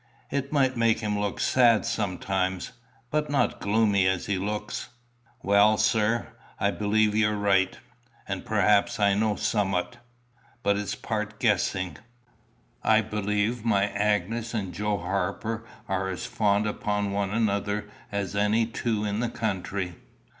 It might make him look sad sometimes, but not gloomy as he looks." "Well, sir, I believe you be right, and perhaps I know summat. But it's part guessing. I believe my Agnes and Joe Harper are as fond upon one another as any two in the county."